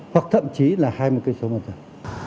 hoặc thậm chí là hai mươi km hôm nay